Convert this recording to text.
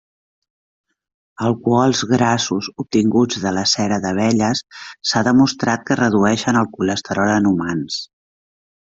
Alcohols grassos obtinguts de la cera d’abelles s’ha demostrat que redueixen el colesterol en humans.